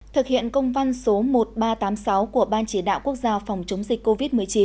thực hiện công văn số một nghìn ba trăm tám mươi sáu của ban chỉ đạo quốc gia phòng chống dịch covid một mươi chín